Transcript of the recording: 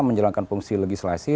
menjalankan fungsi legislasi